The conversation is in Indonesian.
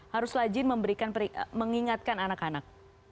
harus lajin mengingatkan anak anak